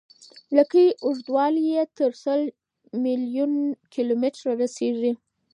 لکۍ اوږدوالی یې تر سل میلیون کیلومتره رسیږي.